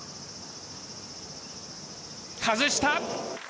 外した！